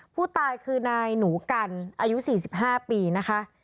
ผู้ตายคือนายหนูกันอายุ๔๕ปีนะคะ